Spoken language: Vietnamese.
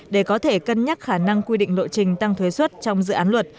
để có thể cân nhắc khả năng quy định lộ trình tăng thuế xuất trong dự án luật